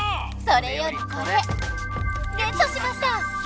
それよりこれゲットしました！